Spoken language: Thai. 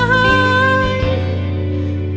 เมื่อเธอตั้งใจมาก